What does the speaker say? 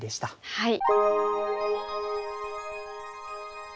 はい。